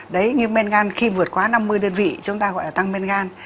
đấy men gan khi vượt qua năm mươi đơn vị chúng ta gọi là tăng men gan